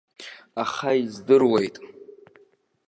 Аха издыруеит.